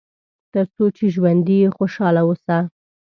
تر څو چې ژوندی یې خوشاله اوسه.